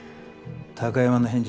貴山の返事